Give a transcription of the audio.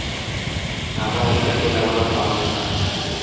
ধাবা অন্যত্র নেয়ার মাল স্যার।